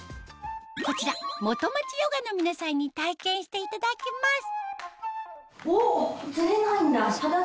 こちら元町ＹＯＧＡの皆さんに体験していただきます